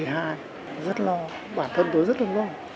rất lo bản thân tôi rất là lo